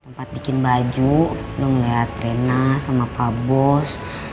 tempat bikin baju lo ngeliat rena sama pak bos